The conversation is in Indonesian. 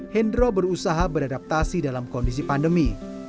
hendro berusaha beradaptasi dalam kondisi pandemi